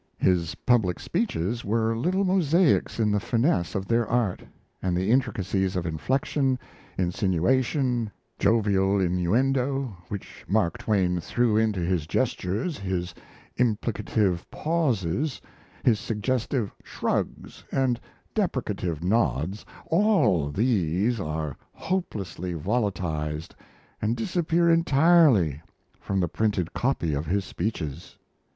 His public speeches were little mosaics in the finesse of their art; and the intricacies of inflection, insinuation, jovial innuendo which Mark Twain threw into his gestures, his implicative pauses, his suggestive shrugs and deprecative nods all these are hopelessly volatilized and disappear entirely from the printed copy of his speeches.